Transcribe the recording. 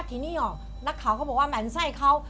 ทีนี้นักข่าวเขาบอกว่าแหม่นไส้เขา